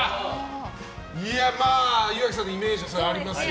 まあ、岩城さんのイメージはありますね。